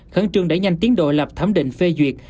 khẩn trương đẩy nhanh tiến độ lập thẩm định phê duyệt